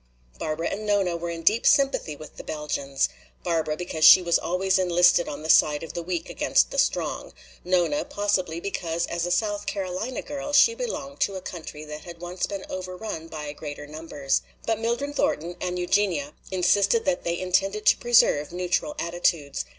Barbara and Nona were in deep sympathy with the Belgians. Barbara because she was always enlisted on the side of the weak against the strong. Nona, possibly because as a South Carolina girl, she belonged to a country that had once been overrun by greater numbers. But Mildred Thornton and Eugenia insisted that they intended to preserve neutral attitudes.